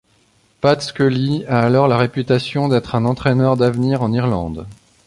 Pat Scully a alors la réputation d’être un entraîneur d’avenir en Irlande.